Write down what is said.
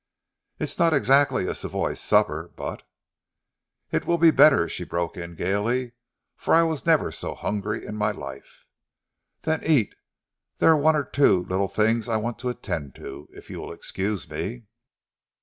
"It is not exactly a Savoy supper, but " "It will be better," she broke in gaily, "for I was never so hungry in my life." "Then eat! There are one or two little things I want to attend to, if you will excuse me."